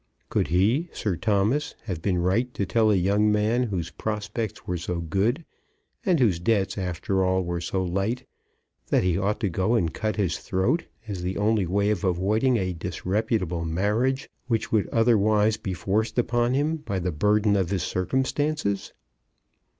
Could he, Sir Thomas, have been right to tell a young man, whose prospects were so good, and whose debts, after all, were so light, that he ought to go and cut his throat, as the only way of avoiding a disreputable marriage which would otherwise be forced upon him by the burden of his circumstances?